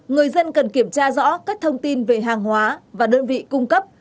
người dân cần kiểm tra rõ các thông tin về hàng hóa và đơn vị cung cấp